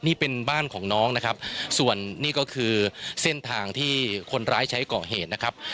นี่เป็นบ้านของน้องนะครับส่วนนี่ก็คือเส้นทางที่คนร้ายใช้ก่อเหตุนะครับ